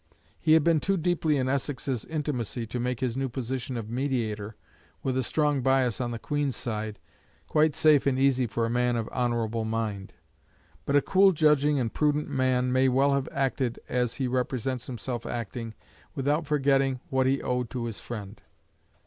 He had been too deeply in Essex's intimacy to make his new position of mediator, with a strong bias on the Queen's side, quite safe and easy for a man of honourable mind; but a cool judging and prudent man may well have acted as he represents himself acting without forgetting what he owed to his friend.